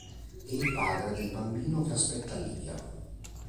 È il padre del bambino che aspetta Livia.